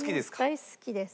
大好きです。